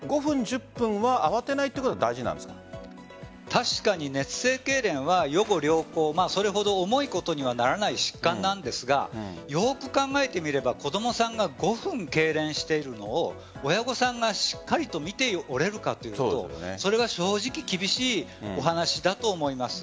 ５分、１０分は慌てないということが確かに熱性けいれんは予後良好それほど重いことにはならない疾患なんですがよく考えてみれば子供さんが５分けいれんしているのを親御さんがしっかりと見ていられるかというとそれは正直厳しいお話だと思います。